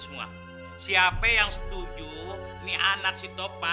ngeri apa sih